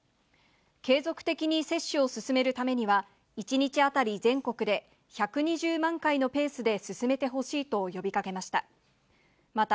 継続的に接種を進めるためには、１日当たり全国で１２０万回のペースで進めてほしいと呼びかけました。